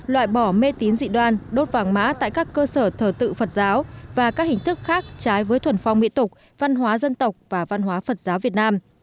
loại bỏ mê tín dị đoan đốt vàng mã tại các cơ sở thờ tự phật giáo và các hình thức khác trái với thuần phong mỹ tục văn hóa dân tộc và văn hóa phật giáo việt nam